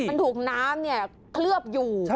มันถูกน้ำเคลือบอยู่